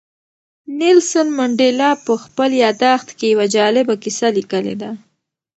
نیلسن منډېلا په خپل یاداښت کې یوه جالبه کیسه لیکلې ده.